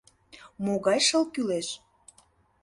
— Могай шыл кӱлеш?